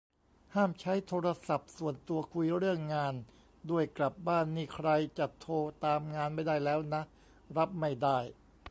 ห้ามใช้โทรศัพท์ส่วนตัวคุยเรื่องงานด้วย กลับบ้านนี่ใครจะโทรตามงานไม่ได้แล้วนะ รับไม่ได้